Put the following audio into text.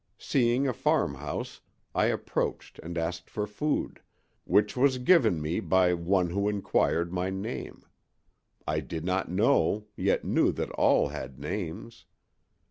Seeing a farmhouse, I approached and asked for food, which was given me by one who inquired my name. I did not know, yet knew that all had names.